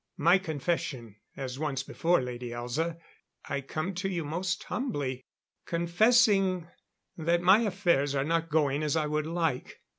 My confession as once before, Lady Elza, I come to you most humbly, confessing that my affairs are not going as I would like.